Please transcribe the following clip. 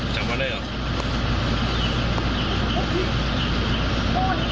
จับวันได้ก่อน